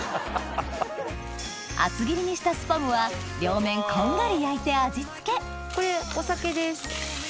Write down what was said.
厚切りにしたスパムは両面こんがり焼いて味付けこれお酒です。